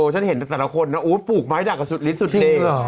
ฉันเห็นแต่แต่ละคนนะอู๋ปลูกไม้ดักก็สุดลิ้นสุดเด่ง